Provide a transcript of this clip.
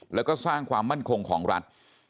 แล้วก็สร้างความมั่นคงของรัฐ